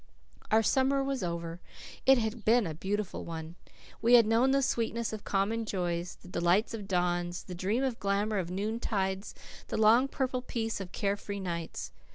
Our summer was over. It had been a beautiful one. We had known the sweetness of common joys, the delight of dawns, the dream and glamour of noontides, the long, purple peace of carefree nights.